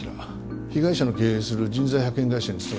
被害者の経営する人材派遣会社に勤めていた営業マンだ。